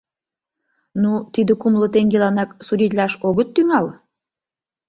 Ну, тиде кумло теҥгеланак судитлаш огыт тӱҥал?..